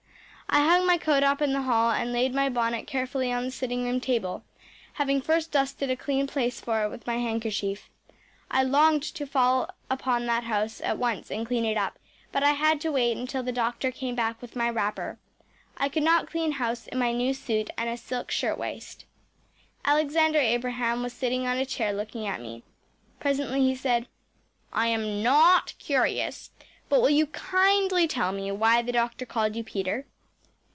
I hung my coat up in the hall and laid my bonnet carefully on the sitting room table, having first dusted a clean place for it with my handkerchief. I longed to fall upon that house at once and clean it up, but I had to wait until the doctor came back with my wrapper. I could not clean house in my new suit and a silk shirtwaist. Alexander Abraham was sitting on a chair looking at me. Presently he said, “I am NOT curious but will you kindly tell me why the doctor called you Peter?